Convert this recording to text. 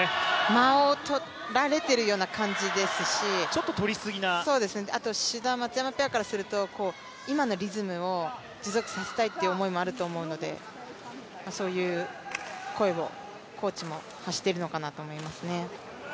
間を取られているような感じですし、あと志田・松山ペアからすると今のリズムを持続させたいという思いもあると思うのでそういう声をコーチも発しているのかなと思いますね。